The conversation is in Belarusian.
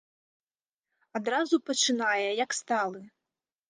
Адразу пачынае, як сталы.